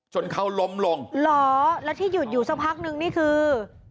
จนเขาล้มลงหรอและที่หยุดอยู่สักพักนึงนี่คือ